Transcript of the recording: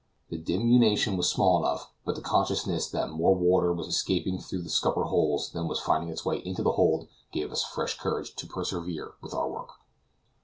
The diminution was small enough, but the consciousness that more water was escaping through the scupper holes than was finding its way into the hold gave us fresh courage to persevere with our work.